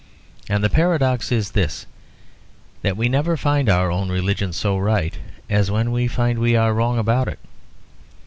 And the paradox is this; that we never find our own religion so right as when we find we are wrong about it.